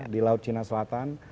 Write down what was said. di laut cina selatan